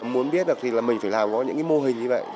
muốn biết được thì là mình phải làm có những cái mô hình như vậy